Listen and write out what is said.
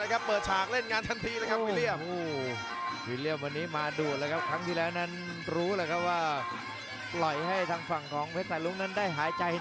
ครั้งที่แล้วนั้นรู้แหละว่าปล่อยให้ทางฝั่งของเพชรไตรุ้งนั้นได้หายใจนี่